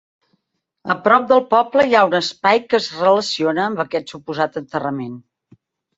A prop del poble hi ha un espai que es relaciona amb aquest suposat enterrament.